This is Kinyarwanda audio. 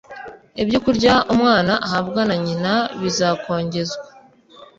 ibyokurya umwana ahabwa na nyina bizakongezwa